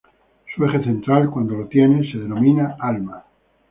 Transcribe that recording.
Su eje central, cuando lo tiene, se denomina alma.